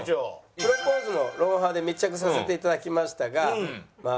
プロポーズも『ロンハー』で密着させて頂きましたがまあ